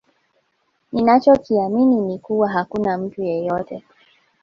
Ninacho kiamini ni kuwa hakuna mtu yeyote